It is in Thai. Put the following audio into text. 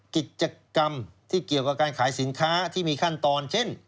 กิจกรรมที่เกี่ยวกับการขายสินค้าที่มีขั้นตอนเช่น